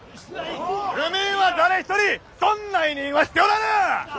府民は誰一人そんな委任はしておらぬ！